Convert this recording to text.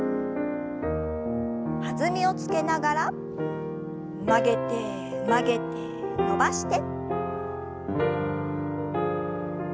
弾みをつけながら曲げて曲げて伸ばして。